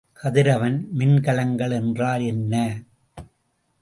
கதிரவன் மின்கலங்கள் என்றால் என்ன?